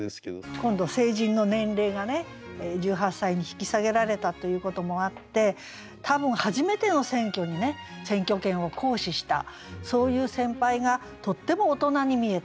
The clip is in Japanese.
今度成人の年齢がね１８歳に引き下げられたということもあって多分初めての選挙にね選挙権を行使したそういう先輩がとっても大人に見えた